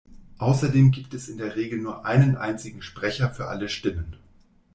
Außerdem gibt es in der Regel nur einen einzigen Sprecher für alle Stimmen.